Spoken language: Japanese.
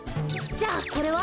じゃあこれは？